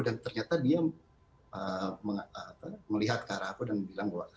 dan ternyata dia melihat ke arah aku dan bilang